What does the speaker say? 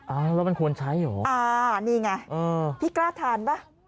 อ้าวแล้วมันควรใช้เหรออ่านี่ไงเออพี่กล้าทานป่ะ